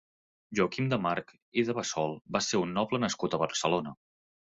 Joaquim de March i de Bassols va ser un noble nascut a Barcelona.